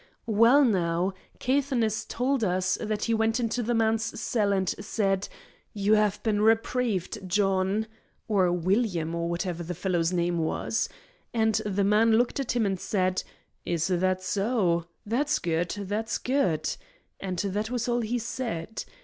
Well, now, Caithness told us that he went into the man's cell and said, 'You have been reprieved, John,' or William, or whatever the fellow's name was. And the man looked at him and said: 'Is that so? That's good that's good;' and that was all he said.